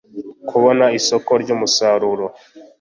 kubona isoko ry’ umsaruro